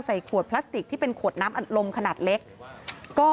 ใส่ขวดพลาสติกที่เป็นขวดน้ำอัดลมขนาดเล็กก็